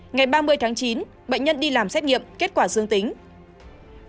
ngày ba mươi tháng chín bệnh nhân đi làm xét nghiệm kết quả dương tính